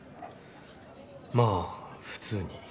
まあ普通に。